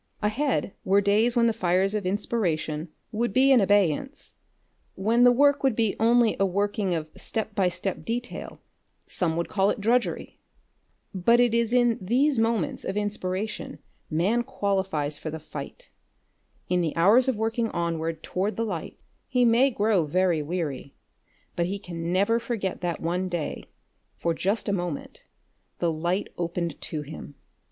Ahead were days when the fires of inspiration would be in abeyance, when the work would be only a working of step by step detail, some would call it drudgery. But it is in these moments of inspiration man qualifies for the fight. In the hours of working onward toward the light he may grow very weary, but he can never forget that one day, for just a moment, the light opened to him.